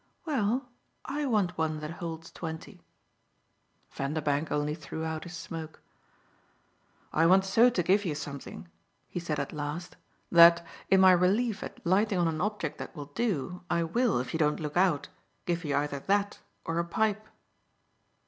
"Well, I want one that holds twenty." Vanderbank only threw out his smoke. "I want so to give you something," he said at last, "that, in my relief at lighting on an object that will do, I will, if you don't look out, give you either that or a pipe."